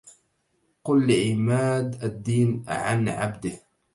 قل لعماد الدين عن عبده